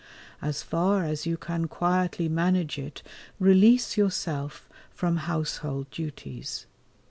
As far as you can quietly manage it release yourself from household duties.